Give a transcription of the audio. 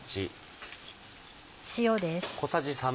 塩です。